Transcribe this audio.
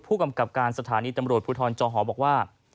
ผู้กำกับการสถานีตำรวจภูทรจอหอบอกว่า